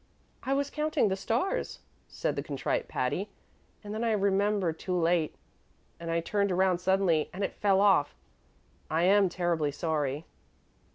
"I was counting the stars," said the contrite Patty, "and then I remembered too late, and I turned around suddenly, and it fell off. I am terribly sorry."